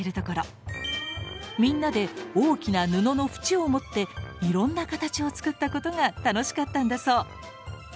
みんなで大きな布の縁を持っていろんな形を作ったことが楽しかったんだそう。